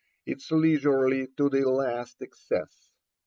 It is leisurely to the last excess.